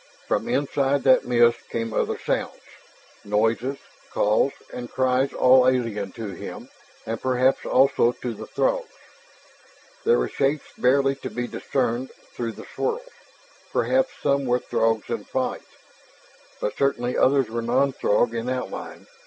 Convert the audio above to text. From inside that mist came other sounds noises, calls, and cries all alien to him, and perhaps also to the Throgs. There were shapes barely to be discerned through the swirls; perhaps some were Throgs in flight. But certainly others were non Throg in outline.